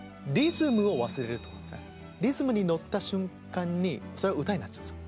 リズムに乗った瞬間にそれは歌になっちゃうんですよ。